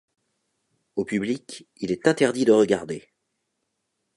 Au public il est interdit de regarder!